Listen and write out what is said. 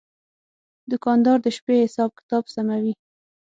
دوکاندار د شپې حساب کتاب سموي.